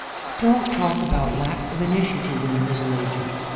Don't talk about lack of initiative in the Middle Ages.